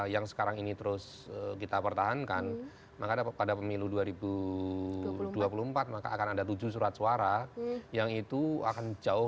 yang saat ini bersama dengan saya terima kasih